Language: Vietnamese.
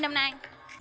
ba mươi năm nay